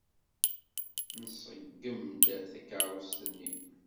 Nṣeggem-d takeṛṛust-nni.